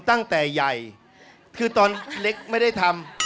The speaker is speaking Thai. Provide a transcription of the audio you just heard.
ตั้งแต่ใหญ่คือตอนเล็กไม่ได้ทำ